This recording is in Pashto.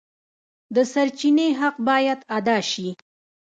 د سرچینې حق باید ادا شي.